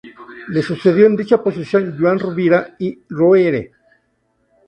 Le sucedió en dicha posición Joan Rovira i Roure.